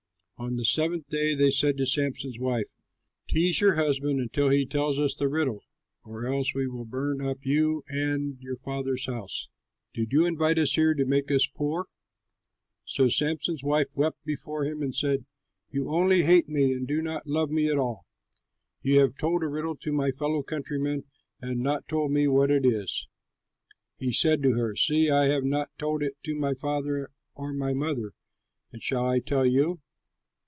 On the seventh day they said to Samson's wife, "Tease your husband until he tells us the riddle, or else we will burn up you and your father's house. Did you invite us here to make us poor?" So Samson's wife wept before him and said, "You only hate me and do not love me at all! You have told a riddle to my fellow countrymen and not told me what it is." He said to her, "See, I have not told it to my father or my mother, and shall I tell you?"